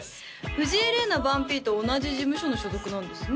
藤江れいな番Ｐと同じ事務所の所属なんですね